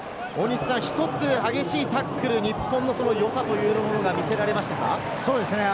一つ激しいタックル、日本の良さというものが見せられましたか？